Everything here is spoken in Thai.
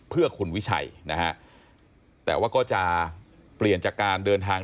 เพื่อคุณวิชัยนะฮะแต่ว่าก็จะเปลี่ยนจากการเดินทาง